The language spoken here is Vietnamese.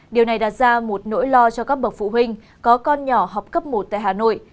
điều này đặt ra một nỗi lo cho các bậc phụ huynh có con nhỏ học cấp một tại hà nội